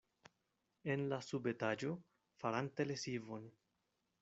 En la subetaĝo, farante lesivon.